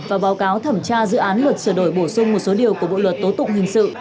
và báo cáo thẩm tra dự án luật sửa đổi bổ sung một số điều của bộ luật tố tụng hình sự